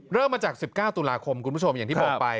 เริ่มมาจาก๑๙ตุลาคมคุณผู้ชมอย่างที่บอกไป